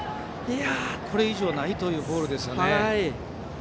これ以上ないというボールですよね。